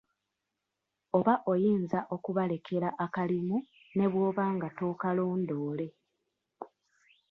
Oba oyinza okubalekera akalimu ne bw'oba nga tookalondoole.